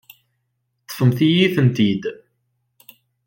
Teṭṭfemt-iyi-ten-id.